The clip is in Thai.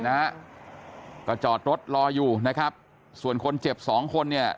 นะฮะก็จอดรถรออยู่นะครับส่วนคนเจ็บสองคนเนี่ย